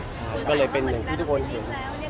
ก็เลยเป็นหนึ่งที่ทุกคนเห็น